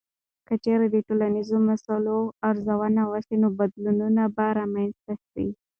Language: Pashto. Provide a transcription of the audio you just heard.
که چیرې د ټولنیزو مسایلو ارزونه وسي، نو بدلونونه به رامنځته سي.